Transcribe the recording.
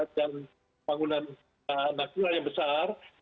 dan bangunan maksimal yang besar